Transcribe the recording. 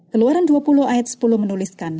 keluaran dua puluh ayat sepuluh menuliskan